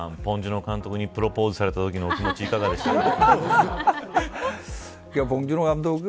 ポン・ジュノ監督にプロポーズされたときのお気持ちはいかがでしたか。